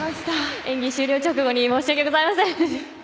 演技終了直後に申し訳ございません。